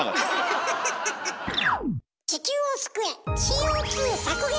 地球を救え！